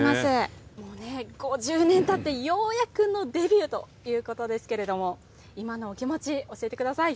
５０年たってようやくのデビューということですけれども今のお気持ち、教えてください。